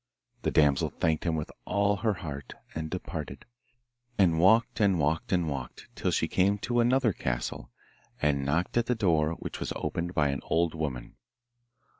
The damsel thanked him with all her heart, and departed, and walked and walked and walked, till she came to another castle, and knocked at the door which was opened by an old woman.